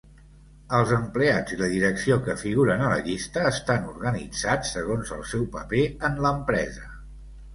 Els empleats i la direcció que figuren a la llista estan organitzats segons el seu paper en l'empresa.